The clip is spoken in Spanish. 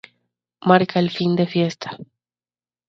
Marca el fin de fiesta.